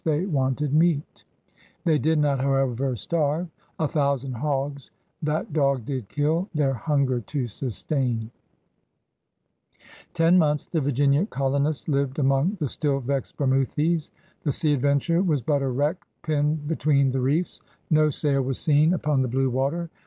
they wanted meate. They did not, however, starve. A thousand hogges that dogge did kill Their hunger to sustaine. Ten months the Virginia colonists lived among the "still vex*d Bermoothes. " The Sea Adventure was but a wreck pinned between the reefs. No sail was seen upon the blue water.